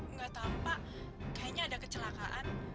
nggak tahu pak kayaknya ada kecelakaan